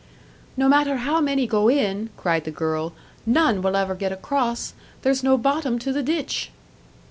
"No matter how many go in," cried the girl, "none will ever get across. There's no bottom to the ditch!"